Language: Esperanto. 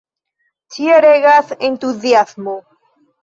Ĉie regas entuziasmo.